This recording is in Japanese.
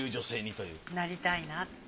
そうなりたいなって。